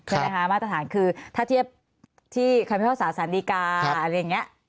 ใช่ไหมคะมาตรฐานคือถ้าเทียบที่คำพิพากษาสารดีกาอะไรอย่างนี้